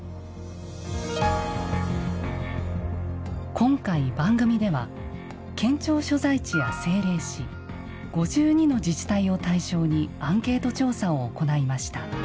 今回、番組では県庁所在地や政令市５２の自治体を対象にアンケート調査を行いました。